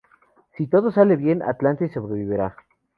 Si todo sale bien, Atlantis sobrevivirá.